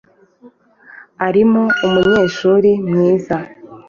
Arimo umunyeshuri mwiza